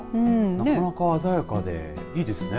なかなか鮮やかでいいですね。